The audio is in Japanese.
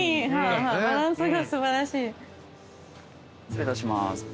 失礼いたします。